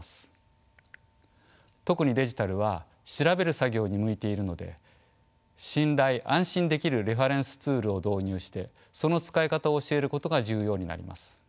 特にデジタルは調べる作業に向いているので信頼安心できるレファレンスツールを導入してその使い方を教えることが重要になります。